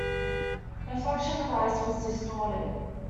The reflection on the ice was distorted.